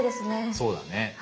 そうだね。